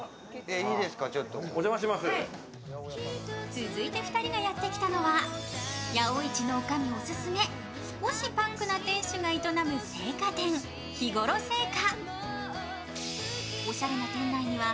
続いて２人がやってきたのは、八百市のおかみオススメ、少しパンクな店主が営む青果店・ヒゴロ青果。